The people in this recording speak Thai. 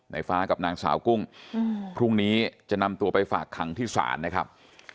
ฟ้ากับนางสาวกุ้งพรุ่งนี้จะนำตัวไปฝากขังที่ศาลนะครับ